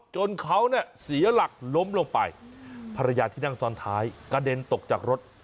จนเขาเนี่ยเสียหลักล้มลงไปภรรยาที่นั่งซ้อนท้ายกระเด็นตกจากรถ